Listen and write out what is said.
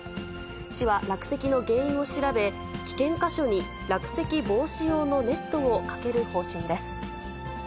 市は落石の原因を調べ、危険箇所に落石防止用のネットをかける方針です。